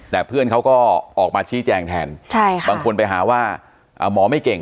แต่เพื่อนเขาก็ออกมาชี้แจงแทนบางคนไปหาว่าหมอไม่เก่ง